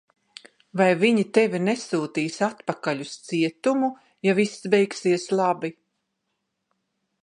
Vai viņi tevi nesūtīs atpakaļ uz cietumu, ja viss beigsies labi?